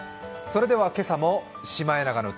今朝も「シマエナガの歌」